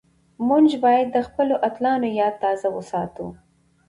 موږ بايد د خپلو اتلانو ياد تازه وساتو.